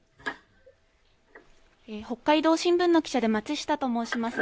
北海道新聞の記者でまつしたと申します。